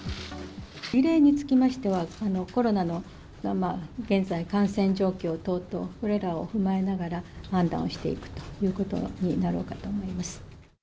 リレーにつきましては、コロナの現在の感染状況等々、これらを踏まえながら、判断をしていくことになろうかと思います。